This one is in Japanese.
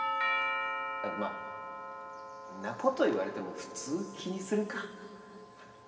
まあんな事言われても普通気にするか。